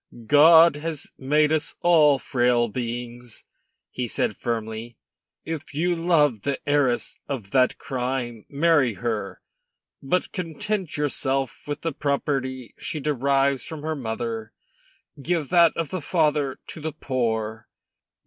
"God has made us all frail beings," he said firmly. "If you love the heiress of that crime, marry her; but content yourself with the property she derives from her mother; give that of the father to the poor."